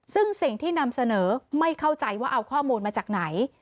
ซึ่งสิ่งที่นำเสนอไม่เข้าใจว่าเอาข้อมูลมาจากไหน